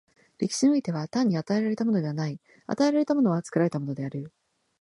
歴史においては、単に与えられたものはない、与えられたものは作られたものである。